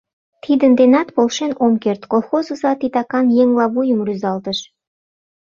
— Тидын денат полшен ом керт, — колхоз оза титакан еҥла вуйым рӱзалтыш.